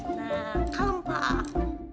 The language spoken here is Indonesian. nah kalem pak